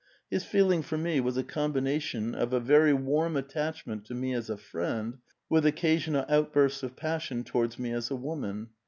His feel ing for me was a combination of a very warm attachment to me as a friend, with occasional outbursts of passion towards me as a woman.